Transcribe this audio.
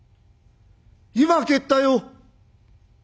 今帰ったよ」。